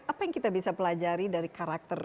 apa yang kita bisa pelajari dari karakter